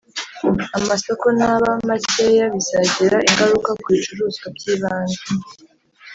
amasoko naba makeya bizagira ingaruka ku bicuruzwa by'ibanze.